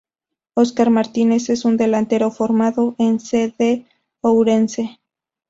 Óscar Martínez es un delantero formado en C. D. Ourense.